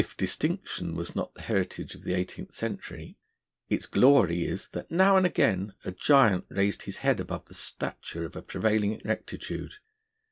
If distinction was not the heritage of the Eighteenth Century, its glory is that now and again a giant raised his head above the stature of a prevailing rectitude.